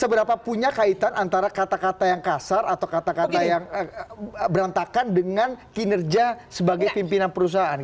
seberapa punya kaitan antara kata kata yang kasar atau kata kata yang berantakan dengan kinerja sebagai pimpinan perusahaan